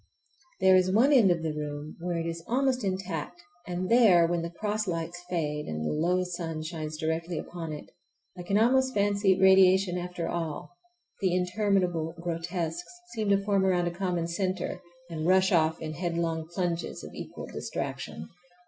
There is one end of the room where it is almost intact, and there, when the cross lights fade and the low sun shines directly upon it, I can almost fancy radiation after all,—the interminable grotesques seem to form around a common centre and rush off in headlong plunges of equal distraction.